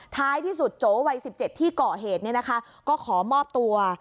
ท้ายที่สุดโจวัย๑๗ที่เกาะเหตุก็ขอมอบตัว